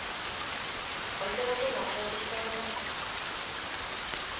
お忙しいのは承知しておりますが。